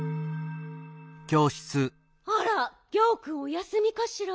あらギャオくんおやすみかしら？